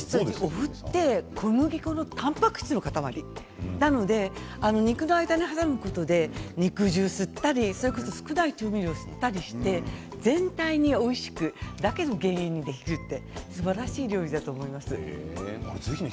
お麩って小麦粉のたんぱく質の塊なので肉の間に挟むことで肉汁を吸ったり少ない調味料を吸ったりして全体においしくだけど減塩にできるすばらしい料理だと思います。